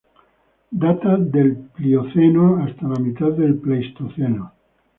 Data del Plioceno hasta la mitad del Pleistoceno.